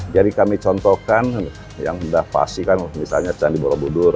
jadi kami contohkan yang sudah pasti kan misalnya candi borobudur